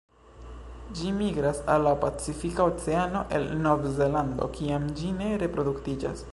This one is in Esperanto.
Ĝi migras al la Pacifika Oceano el Novzelando kiam ĝi ne reproduktiĝas.